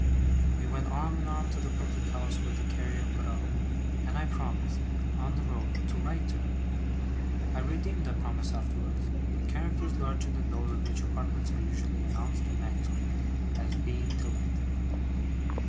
We went arm in arm to the public house where the carrier put up, and I promised, on the road, to write to her. (I redeemed that promise afterwards, in characters larger than those in which apartments are usually announced in manuscript, as being to let.)